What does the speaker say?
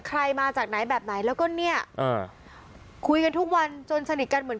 มาจากไหนแบบไหนแล้วก็เนี่ยอ่าคุยกันทุกวันจนสนิทกันเหมือน